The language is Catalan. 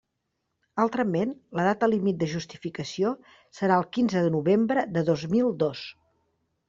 Altrament, la data límit de justificació serà el quinze de novembre de dos mil dos.